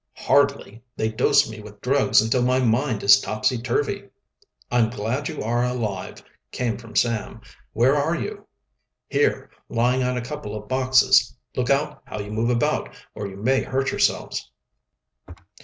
"Hardly. They dosed me with drugs until my mind is topsy turvy." "I'm glad you are alive," came from Sam. "Where are you?" "Here, lying on a couple of boxes. Look out how you move about, or you may hurt yourselves."